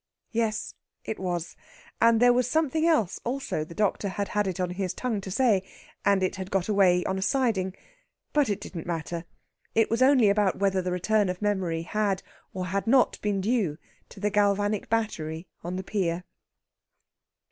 Yes, it was. And there was something else also the doctor had had it on his tongue to say, and it had got away on a siding. But it didn't matter it was only about whether the return of memory had or had not been due to the galvanic battery on the pier.